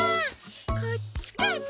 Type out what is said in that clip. こっちかな？